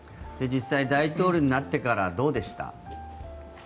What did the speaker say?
実際に大統領になってからどうでした？